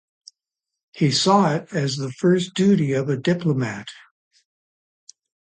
He saw it as the first duty of a diplomat.